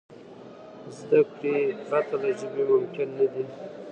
زدهکړې پرته له ژبي ممکن نه دي.